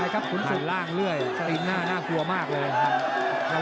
ขันล่างเรื่อยสตินหน้าน่ากลัวมากเลยครับ